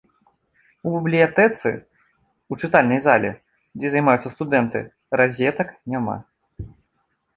У бібліятэцы, у чытальнай зале, дзе займаюцца студэнты, разетак няма.